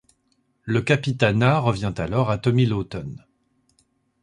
Le capitanat revient alors à Tommy Lawton.